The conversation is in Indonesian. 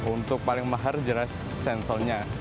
untuk paling mahal jelas sensornya